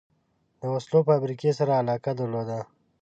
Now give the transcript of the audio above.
د وسلو فابریکې سره علاقه درلوده.